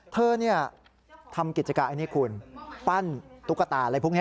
เธอทำกิจการอันนี้คุณปั้นตุ๊กตาอะไรพวกนี้